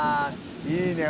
いいね